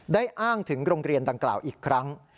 ได้อ้างถึงโรงเรียนดังกล่าวอีกครั้ง